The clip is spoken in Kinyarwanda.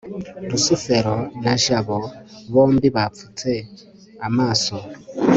rusufero na jabo bombi bapfutse amaso